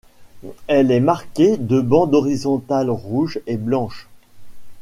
Elle est marquée de bandes horizontales rouges et blanches.